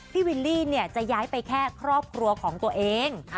วิลลี่จะย้ายไปแค่ครอบครัวของตัวเอง